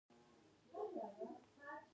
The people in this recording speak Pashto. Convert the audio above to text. د ټوخي د شربت پر ځای د عسل اوبه وکاروئ